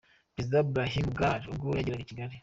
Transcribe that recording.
Perezida Brahim Ghali ubwo yageraga i Kigali.